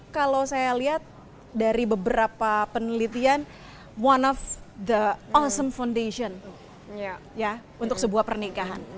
kalau saya lihat dari beberapa penelitian one of the osom foundation untuk sebuah pernikahan